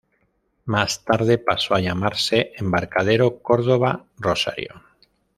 Más tarde pasó a llamarse Embarcadero Córdoba-Rosario.